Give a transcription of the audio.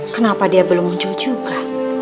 kenapa dia belum muncul juga